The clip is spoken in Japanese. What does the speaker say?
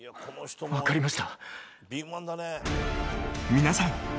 ［皆さん。